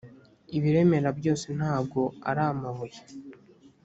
ibiremera byose ntago aramabuye.